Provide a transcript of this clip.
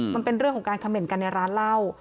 มันเป็นเรื่องของการเขม่นกันในร้านเหล้า